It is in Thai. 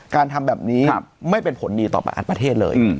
การทำแบบนี้ไม่เป็นผลดีต่อประกันประเทศเลย